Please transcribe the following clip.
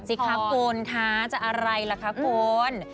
สิคะคุณคะจะอะไรล่ะคะคุณ